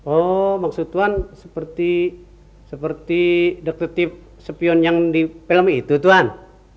oh maksud tuhan seperti seperti detektif sepion yang di film itu tuhan